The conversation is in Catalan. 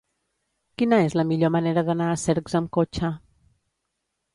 Quina és la millor manera d'anar a Cercs amb cotxe?